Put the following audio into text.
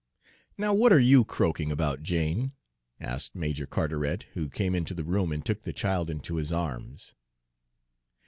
"Now what are you croaking about, Jane?" asked Major Carteret, who came into the room and took the child into his arms.